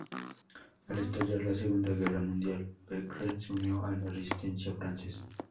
Al estallar la Segunda Guerra Mundial, Beckett se unió a la Resistencia francesa.